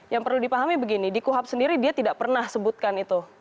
yang perlu dipahami begini di kuhap sendiri dia tidak pernah sebutkan itu